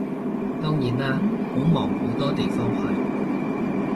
當然啦，好忙好多地方去